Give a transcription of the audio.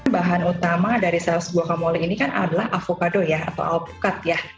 bahan utama dari saus guacamole ini kan adalah avocado atau alpukat